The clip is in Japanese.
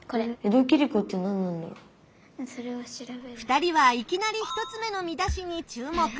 ２人はいきなり１つ目の見出しに注目！